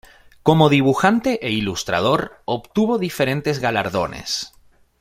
Como dibujante e ilustrador obtuvo diferentes galardones.